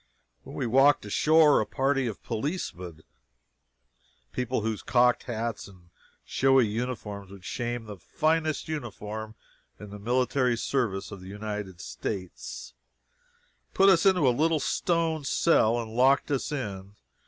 When we walked ashore, a party of policemen (people whose cocked hats and showy uniforms would shame the finest uniform in the military service of the United States,) put us into a little stone cell and locked us in.